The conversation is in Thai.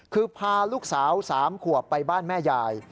คือพาลูกสาว๓ขวบไปบ้านแม่ยาย